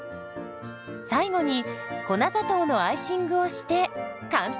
最後に粉砂糖のアイシングをして完成。